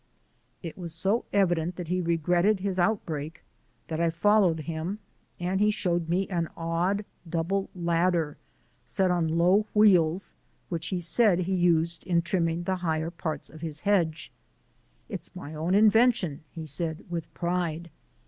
It was so evident that he regretted his outbreak that I followed him, and he showed me an odd double ladder set on low wheels which he said he used in trimming the higher parts of his hedge. "It's my own invention," he said with pride.